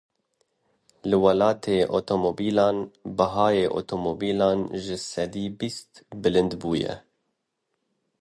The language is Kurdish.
Li welatê otomobîlan bihayê otomobîlan ji sedî bîst bilind bûye.